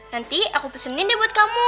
nanti aku pesenin deh buat kamu